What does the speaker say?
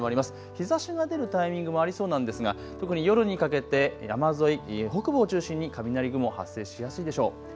日ざしが出るタイミングもありそうなんですが、特に夜にかけて山沿い、北部を中心に雷雲発生しやすいでしょう。